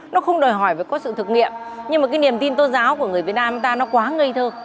nhưng mà cái niềm tin tôn giáo của người việt nam chúng ta nó quá ngây thơ